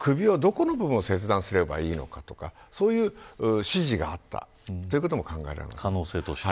そのことが首のどこの部分を切断すればいいのかとかそういう指示があったということも考えられます。